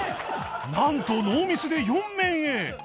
なんとノーミスで４面へ